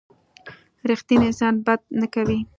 رښتینی انسان بد نه کوي.